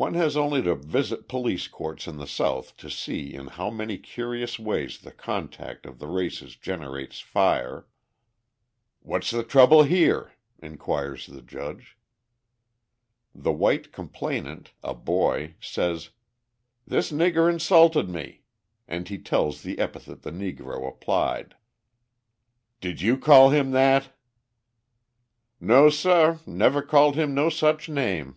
One has only to visit police courts in the South to see in how many curious ways the contact of the races generates fire. "What's the trouble here?" inquires the judge. The white complainant a boy says: "This nigger insulted me!" and he tells the epithet the Negro applied. "Did you call him that?" "No sah, I never called him no such name."